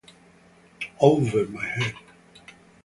Over My Head